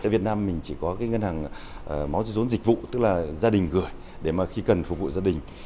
ở việt nam mình chỉ có ngân hàng máu dây dốn dịch vụ tức là gia đình gửi để mà khi cần phục vụ gia đình